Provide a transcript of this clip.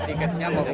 tidak ada masalah